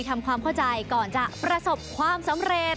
ทำความเข้าใจก่อนจะประสบความสำเร็จ